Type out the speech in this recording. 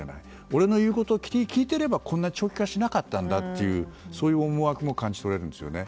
俺の言うことを聞いていればこんな長期化しなかったんだとそういう思惑も感じ取れるんですよね。